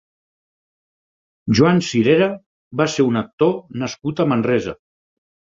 Joan Cirera va ser un actor nascut a Manresa.